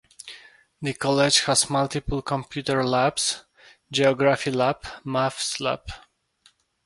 The College has multiple computer labs, geography lab, maths lab.